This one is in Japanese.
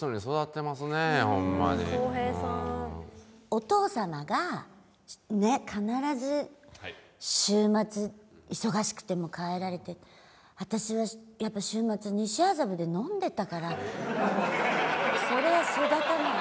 お父様が必ず週末忙しくても帰られて私はやっぱ週末それは育たない。